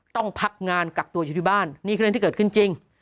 ต้องพักงานกักตัวอยู่ที่บ้านนี่คือเรื่องที่เกิดขึ้นจริง